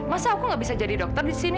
masa aku gak bisa jadi dokter di sini